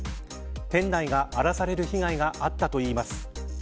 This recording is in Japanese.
店内が荒らされる被害があったといいます。